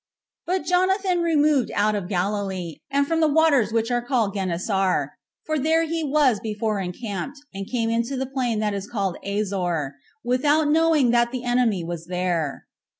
7. But Jonathan removed out of Galilee, and from the waters which are called Gennesar, for there he was before encamped, and came into the plain that is called Asor, without knowing that the enemy was there.